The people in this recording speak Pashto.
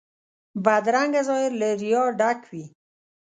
بدرنګه ظاهر له ریا ډک وي